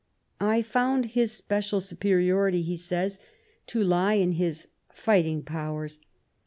"I found his especial superiority," he says, "to lie in his fighting powers.